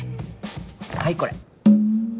はいこれ。